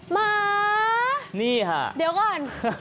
มานี่ค่ะเดี๋ยวก่อน